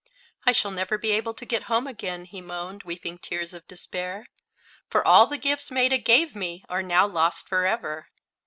"I shall never be able to get home again," he moaned, weeping tears of despair, "for all the gifts Maetta gave me are now lost forever!"